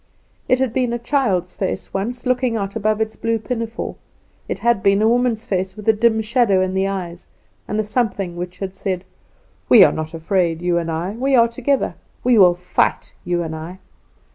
It had been a child's face once, looking out above its blue pinafore; it had been a woman's face, with a dim shadow in the eyes, and a something which had said, "We are not afraid, you and I; we are together; we will fight, you and I."